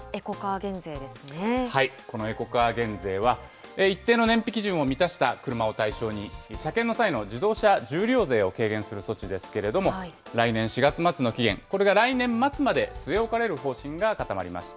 このエコカー減税は、一定の燃費基準を満たした車を対象に、車検の際の自動車重量税を軽減する措置ですけれども、来年４月末の期限、これが来年末まで据え置かれる方針が固まりました。